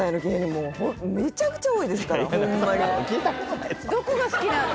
もうめちゃくちゃ多いですからホンマにどこが好きなの？